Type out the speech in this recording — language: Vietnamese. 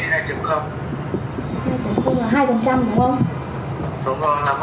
hai là hai đúng không